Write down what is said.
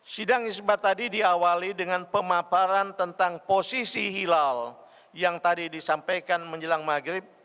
sidang isbat tadi diawali dengan pemaparan tentang posisi hilal yang tadi disampaikan menjelang maghrib